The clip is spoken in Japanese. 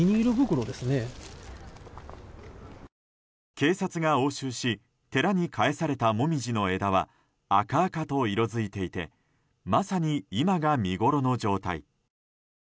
警察が押収し寺に返されたモミジの枝は赤々と色づいていてまさに今が見ごろの状態。